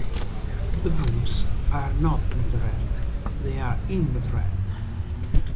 The grooves are not the tread, they are "in" the tread.